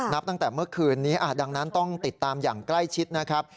นับตั้งแต่เมื่อคืนนี้ดังนั้นต้องติดตามอย่างใกล้ชิดนะครับ